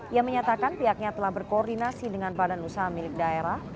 ia menyatakan pihaknya telah berkoordinasi dengan badan usaha milik daerah